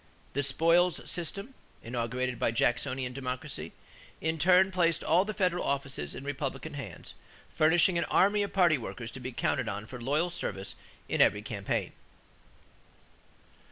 The spoils system, inaugurated by Jacksonian Democracy, in turn placed all the federal offices in Republican hands, furnishing an army of party workers to be counted on for loyal service in every campaign.